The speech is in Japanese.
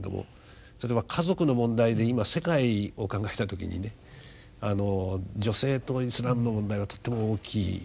例えば家族の問題で今世界を考えた時にね女性とイスラムの問題はとっても大きいです。